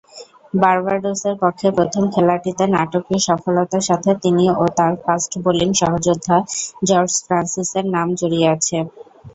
বার্বাডোসের পক্ষে প্রথম খেলাটিতে নাটকীয় সফলতার সাথে তিনি ও তার ফাস্ট বোলিং সহযোদ্ধা জর্জ ফ্রান্সিসের নাম জড়িয়ে আছে।